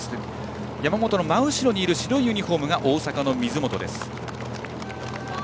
山本の真後ろにいる白いユニフォームが大阪の水本。